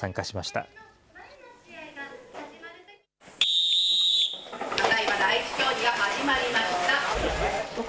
ただいま第１競技が始まりました。